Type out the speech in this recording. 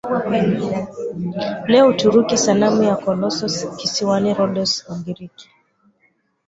leo Uturuki Sanamu ya Kolossos kisiwani Rhodos Ugiriki